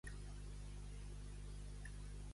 Guapesa sense bondat no fa bé ni mal.